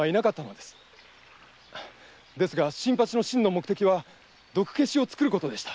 ですが新八の真の目的は毒消しを作ることでした。